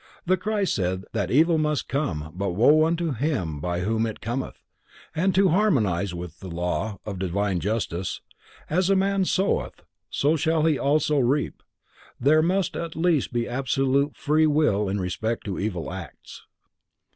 The Christ said that evil must come but woe unto him by whom it cometh, and to harmonize that with the law of divine justice: "as a man soweth, so shall he also reap," there must at least be absolute free will in respect to evil acts.